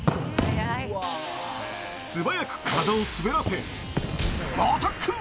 素早く体を滑らせアタック。